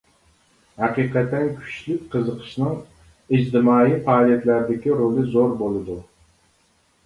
ھەقىقەتەن كۈچلۈك قىزىقىشنىڭ ئىجتىمائىي پائالىيەتلەردىكى رولى زور بولىدۇ.